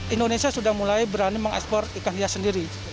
indonesia sudah mulai berani mengekspor ikan hias sendiri